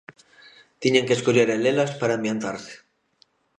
Tiñan que escoller e lelas para ambientarse.